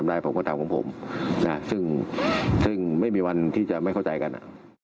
ได้ผมก็ทำของผมนะซึ่งไม่มีวันที่จะไม่เข้าใจกัน